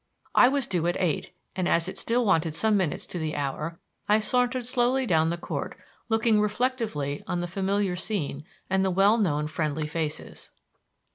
I was due at eight, and, as it still wanted some minutes to the hour, I sauntered slowly down the court, looking reflectively on the familiar scene and the well known friendly faces.